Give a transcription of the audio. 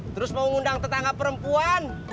terus mau ngundang tetangga perempuan